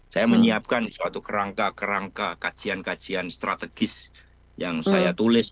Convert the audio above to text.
saya menyiapkan suatu kerangka kerangka kajian kajian strategis yang saya tulis